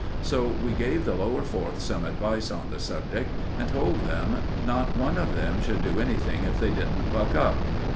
So we gave the Lower Fourth some advice on the subject, and told them not one of them should do anything if they didn't buck up.